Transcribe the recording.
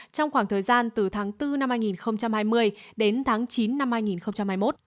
trong khoảng thời gian từ tháng bốn năm hai nghìn hai mươi đến tháng chín năm hai nghìn hai mươi một